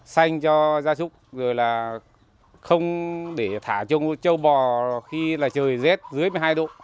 xanh cho gia súc rồi là không để thả châu bò khi là trời rét dưới một mươi hai độ